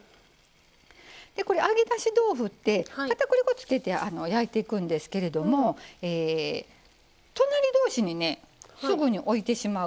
これ揚げだし豆腐って片栗粉つけて焼いていくんですけれども隣同士にねすぐに置いてしまうと。